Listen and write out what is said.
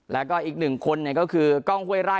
แล้วก็อีกหนึ่งคนเนี่ยก็คือก้องเว้ยไร้นะครับ